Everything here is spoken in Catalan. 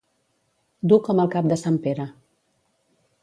Dur com el cap de sant Pere.